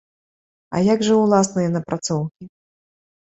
А як жа ўласныя напрацоўкі?